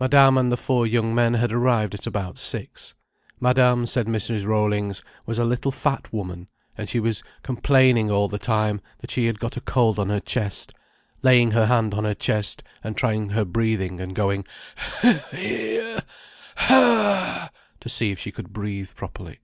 Madame and the four young men had arrived at about six. Madame, said Mrs. Rollings, was a little fat woman, and she was complaining all the time that she had got a cold on her chest, laying her hand on her chest and trying her breathing and going "He e e er! Herr!" to see if she could breathe properly.